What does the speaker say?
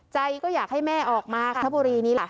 ใจก็อยากให้แม่ออกมาคบุรีนี้ล่ะ